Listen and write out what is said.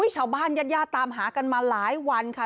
ชาวบ้านญาติยาตามหากันมาหลายวันค่ะ